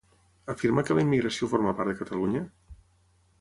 Afirma que la immigració forma part de Catalunya?